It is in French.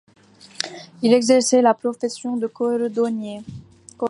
Il exerçait la profession de cordonnier.